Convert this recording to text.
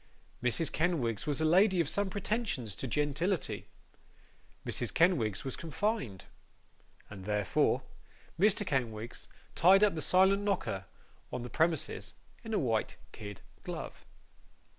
Mrs. Kenwigs was a lady of some pretensions to gentility; Mrs Kenwigs was confined. And, therefore, Mr. Kenwigs tied up the silent knocker on the premises in a white kid glove.